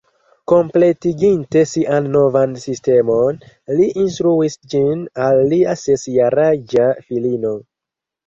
Kompletiginte sian novan sistemon, li instruis ĝin al lia ses jaraĝa filino